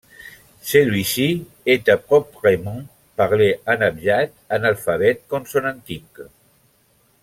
Celui-ci est à proprement parler un abjad, un alphabet consonantique.